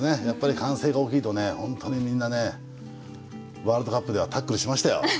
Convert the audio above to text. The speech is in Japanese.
やっぱり歓声が大きいと本当にみんなワールドカップではタックルしましたよ。